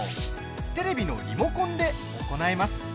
テレビのリモコンで行えます。